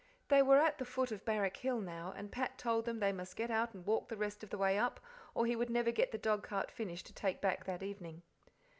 They were at the foot of Barrack Hill now, and Pat told them they must get out and walk the rest of the way up, or he would never get the dogcart finished to take back that evening.